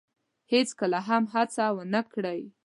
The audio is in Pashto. هیڅکله هم هڅه ونه کړی